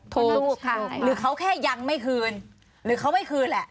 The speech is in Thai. ถูกหรือเขาแค่ยังไม่คืนหรือเขาไม่คืนแหละ